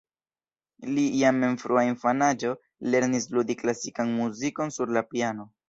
Li jam en frua infanaĝo lernis ludi klasikan muzikon sur la piano.